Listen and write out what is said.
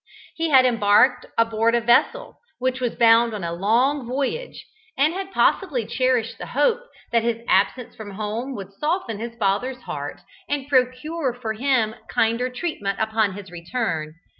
He had embarked on board a vessel which was bound on a long voyage, and had possibly cherished the hope that his absence from home would soften his father's heart, and procure for him kinder treatment upon his return.